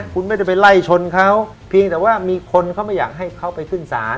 คุณไม่ได้ไปไล่ชนเขาเพียงแต่ว่ามีคนเขาไม่อยากให้เขาไปขึ้นศาล